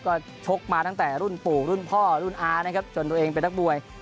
ก็ชกมาตั้งแต่รุ่นปู่รุ่นพ่อรุ่นอานะครับจนตัวเองเป็นนักมวย